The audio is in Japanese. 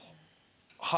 はい。